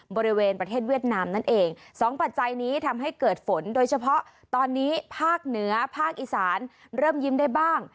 บริเวณประเทศเวียดนามนั่นเองสองปัจจัยนี้ทำให้เกิดฝนโดยเฉพาะตอนนี้ภาคเหนือภาคอีสานเริ่มยิ้มได้บ้าง